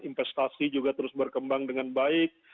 investasi juga terus berkembang dengan baik